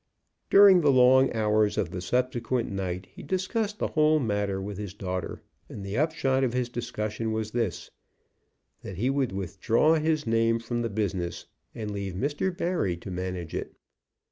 During the long hours of the subsequent night he discussed the whole matter with his daughter, and the upshot of his discussion was this: that he would withdraw his name from the business, and leave Mr. Barry to manage it.